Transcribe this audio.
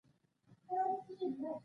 د ارماني کور د دارالمعلمین شاته و.